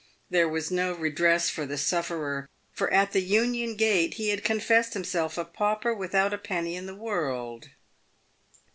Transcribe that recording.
There was no redress for the sufferer, for at the union gate he had confessed himself a pauper without a penny in the world.